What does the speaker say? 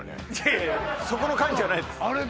いやいやそこの感知じゃないですあれ